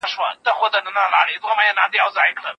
ملګري دې د قدرت په ختمیدو سره لاړل.